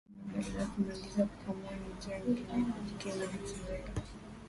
Kunawa mikono baada ya kumaliza kukamua ni njia nyingine ya kujikinga na kiwele